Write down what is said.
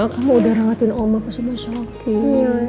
kamu udah ngerangatin oma pas sama shocking